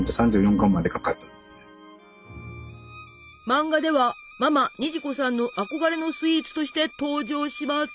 漫画ではママ虹子さんの憧れのスイーツとして登場します。